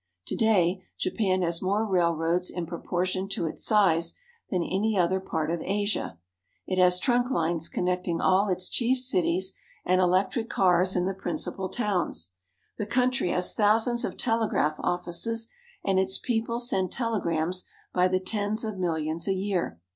To day Japan has more railroads in proportion to its size than any other part of Asia. It has trunk lines connecting all its chief cities, and electric cars in the principal towns. The country has thousands of telegraph offices, and its people send telegrams by the tens of millions a year.